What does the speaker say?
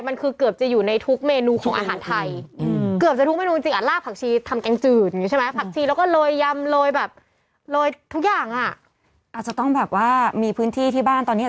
มันคือเกือบจะอยู่ในทุกเมนูของอาหารไทย